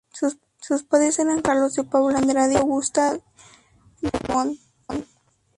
Sus padres eran Carlos de Paula Andrade y Julieta Augusta Drummond.